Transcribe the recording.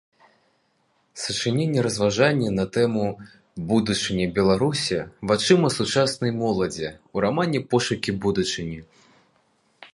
Сачыненне-разважанне на тэму „Будучыня Беларусі вачыма сучаснай моладзі” ў рамане Пошукі будучыні